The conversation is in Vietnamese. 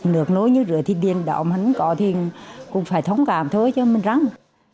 nếu như rửa thì điện động hắn có thì cũng phải thống cảm thôi cho mình ráng